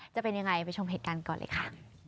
จะเป็นยังไงไปชมเหตุการณ์ก่อนเลยค่ะ